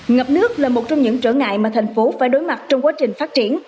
ngập nước là một trong những trở ngại mà thành phố phải đối mặt trong quá trình phát triển